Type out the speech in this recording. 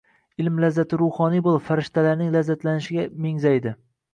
Ilm lazzati ruhoniy boʻlib, farishtalarning lazzatlanishiga mеngzaladi